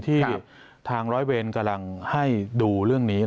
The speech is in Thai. ที่ทางร้อยเวรกำลังให้ดูเรื่องนี้